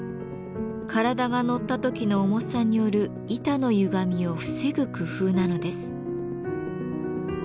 体が乗った時の重さによる板のゆがみを防ぐ工夫なのです。